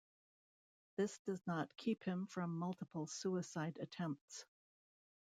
This does not keep him from multiple suicide attempts.